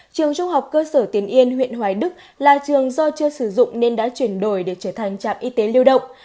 trường trung học cơ sở tiền yên huyện hoài đức là trường do chưa sử dụng nên đã chuyển đổi để trở thành trạm y tế lưu động